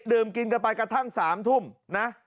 ดื่มกินกันไปกระทั่ง๓ทุ่มนะ